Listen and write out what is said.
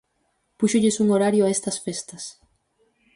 Púxolles un horario a estas festas.